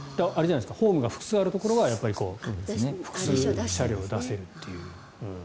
ホームが複数あるところは複数車両出せるという。